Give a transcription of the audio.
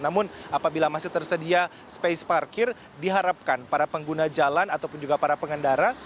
namun apabila masih tersedia space parkir diharapkan para pengguna jalan ataupun juga para pengendara